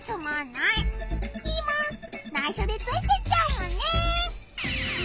ないしょでついてっちゃうもんね！